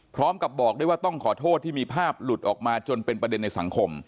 พร้อมกับบอกได้ว่าต้องขอโทษที่มีภาพหลุดออกมาจนเป็นประเด็นในสังคม